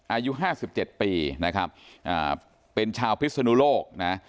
อายุห้าสิบเจ็ดปีนะครับอ่าเป็นชาวพิษนุโลกนะฮะ